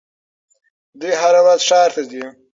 دوی هره ورځ ښار ته ځي.